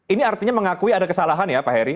ini artinya mengakui ada kesalahan ya pak heri